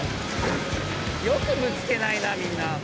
よくぶつけないなみんな。